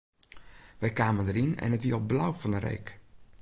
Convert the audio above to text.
Wy kamen deryn en it wie al blau fan 'e reek.